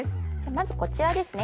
まずこちらですね